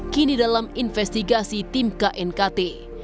kini dalam investigasi tim knkt